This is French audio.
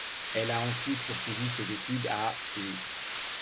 Elle a ensuite poursuivi ses études à l'.